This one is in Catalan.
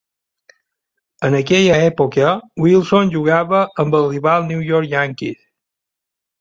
En aquella època, Wilson jugava amb els rivals New York Yankees.